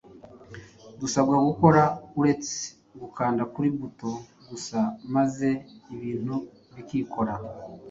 dusabwa gukora ureste gukanda kuri buto gusa maze ibintu bikikora.